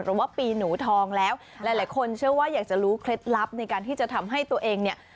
หรือว่าปีหนูทองแล้วหลายคนเชื่อว่าอยากจะรู้เคล็ดลับในการที่จะทำให้ตัวเองเนี่ย